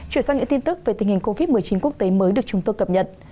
chuyển sang những tin tức về tình hình covid một mươi chín quốc tế mới được chúng tôi cập nhật